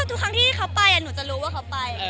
ทุกครั้งที่เขาไปหนูจะรู้ว่าเขาไป